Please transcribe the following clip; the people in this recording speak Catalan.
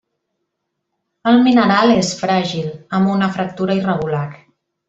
El mineral és fràgil, amb una fractura irregular.